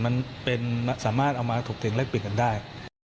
มันสามารถเอามาถูกเตรียมแลกเปลี่ยนกันได้